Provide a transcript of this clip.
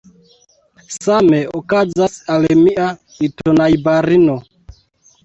Same okazas al mia litonajbarino.